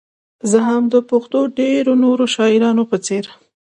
زه هم د پښتو ډېرو نورو شاعرانو په څېر.